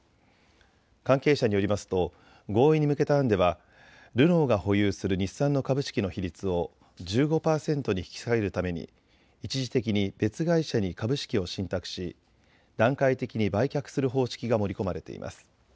関係者によりますと合意に向けた案ではルノーが保有する日産の株式の比率を１５％に引き下げるために一時的に別会社に株式を信託し段階的に売却する方式が盛り込まれています。